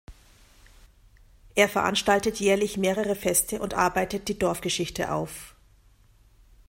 Er veranstaltet jährlich mehrere Feste und arbeitet die Dorfgeschichte auf.